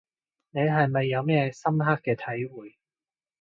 你係咪有啲咩深刻嘅體會